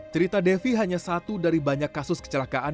cerita devi hanya satu dari banyak kasus kecelakaan